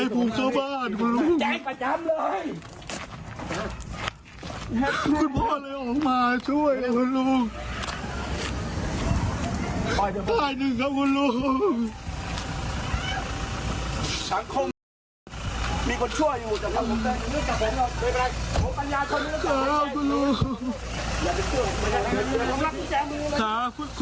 คุณพ่อเลยออกมาช่วยเองคุณลูก